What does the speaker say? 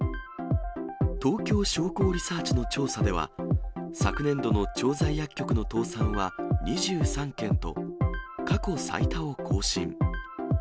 東京商工リサーチの調査では、昨年度の調剤薬局の倒産は２３件と、過去最多を更新。